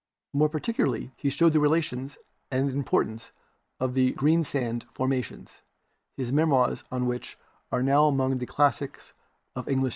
More particularly he showed the rela tions and importance of the Greensand formations, his memoirs on which are now among the classics of English geology.